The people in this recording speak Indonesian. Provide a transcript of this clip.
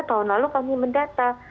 tahun lalu kami mendata